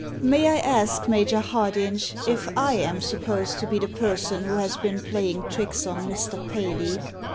May I ask, Major Hardinge, if I am supposed to be the person who has been playing tricks on Mr. Paley?"